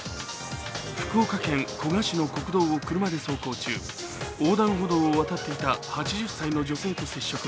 福岡県古賀市の国道を車で走行中、横断歩道を渡っていた８０歳の女性と接触。